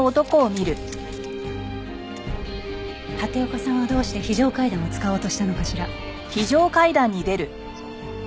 立岡さんはどうして非常階段を使おうとしたのかしら。